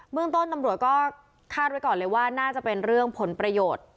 เมืองต้นตำรวจก็คาดไว้ก่อนเลยว่าน่าจะเป็นเรื่องผลประโยชน์